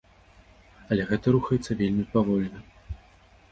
Але гэта рухаецца вельмі павольна.